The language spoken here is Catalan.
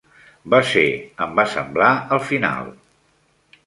Va ser, em va semblar, el final.